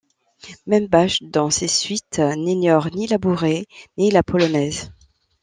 Même Bach dans ses suites, n'ignore ni la bourrée, ni la polonaise.